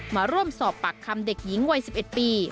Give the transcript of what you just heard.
มาร่วมสอบปากคำเด็กหญิงวัย๑๑ปี